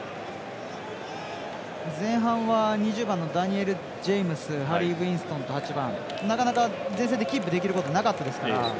前半は２０番のダニエル・ジェームズ８番のハリー・ウィルソンとなかなか前線でキープできることなかったですから。